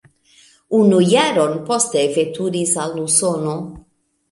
Unu jaron poste veturis al Usono.